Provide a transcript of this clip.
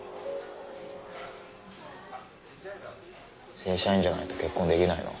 正社員じゃないと結婚できないの？